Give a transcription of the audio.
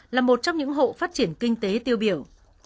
là một trong những hộ phát triển kinh tế tiêu biểu